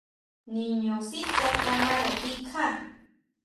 Niño sité kamare jikjá.